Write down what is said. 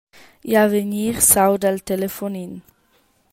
Igl avegnir s’auda al telefonin.